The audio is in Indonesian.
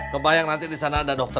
kebayang nanti disana ada doktor